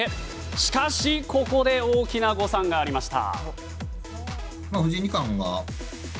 しかし、ここで大きな誤算がありました。